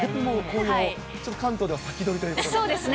ちょっと関東では先取りということですね。